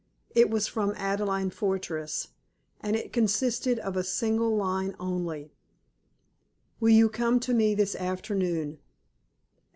It was from Adelaide Fortress, and it consisted of a single line only "Will you come to me this afternoon?